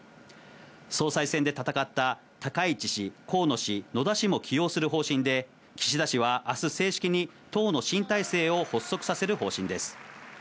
総裁選で戦った高市氏、河野氏、野田氏も起用する方針で、岸田氏はあす正式に党の新体制を発足させる方針です。